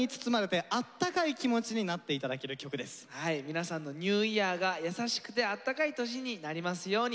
皆さんのニューイヤーが優しくてあったかい年になりますように。